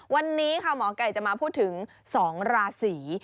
วันนี้ค่ะหมอไก่จะมาพูดถึง๒ราศี